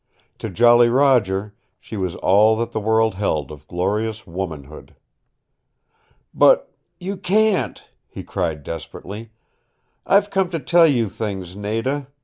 To Jolly Roger she was all that the world held of glorious womanhood. "But you can't!" he cried desperately. "I've come to tell you things, Nada.